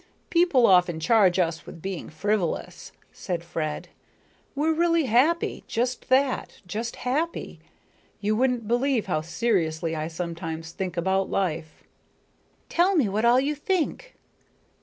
"People often charge us with being frivolous," said Fred. "We're really happy just that just happy. You wouldn't believe how seriously I sometimes think about life." "Tell me what all you think."